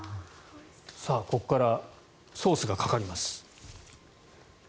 ここからソースがかかります。